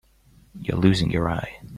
You're losing your eye.